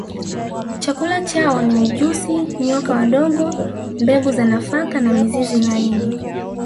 Chakula chao ni mijusi nyoka wadogo mbegu za nafaka na mizizi laini